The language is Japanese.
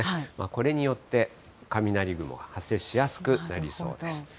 これによって雷雲が発生しやすくなりそうです。